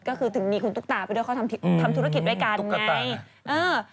ก็คือถึงมีคุณตุ๊กตาไปด้วยเขาทำธุรกิจด้วยกันไงเออ